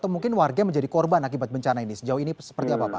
atau mungkin warga yang menjadi korban akibat bencana ini sejauh ini seperti apa pak